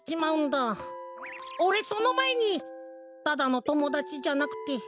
オレそのまえにただのともだちじゃなくて。